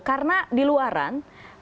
karena di luaran